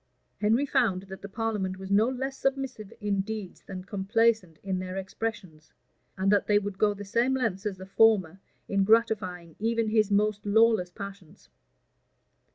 Henry found that the parliament was no less submissive in deeds than complaisant in their expressions, and that they would go the same lengths as the former in gratifying even his most lawless passions.